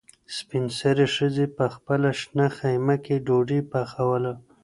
سپین سرې ښځې په خپله شنه خیمه کې ډوډۍ پخوله.